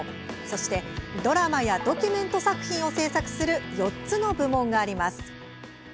そしてドラマやドキュメント作品を制作する４つの部門があります。